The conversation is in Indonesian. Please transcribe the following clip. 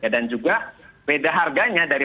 dan juga beda harganya dari